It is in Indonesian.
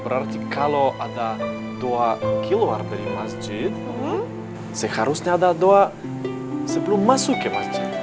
berarti kalau ada tua keluar dari masjid seharusnya ada doa sebelum masuk ke masjid